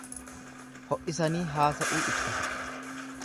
Ho'isanii haasa'uu ibsa.